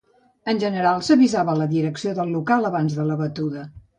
En general, s'avisava la direcció del local abans de la batuda.